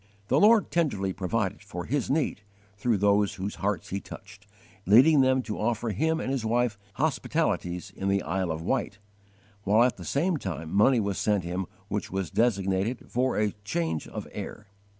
The Lord tenderly provided for his need through those whose hearts He touched, leading them to offer him and his wife hospitalities in the Isle of Wight, while at the same time money was sent him which was designated for 'a change of air.'